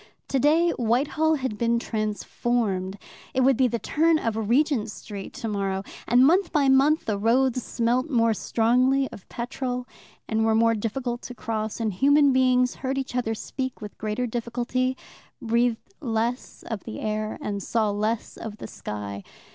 Today Whitehall had been transformed: it would be the turn of Regent Street tomorrow. And month by month the roads smelt more strongly of petrol, and were more difficult to cross, and human beings heard each other speak with greater difficulty, breathed less of the air, and saw less of the sky.